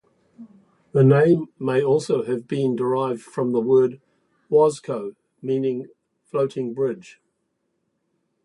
The name may also have been derived from the word "was-co", meaning "floating bridge".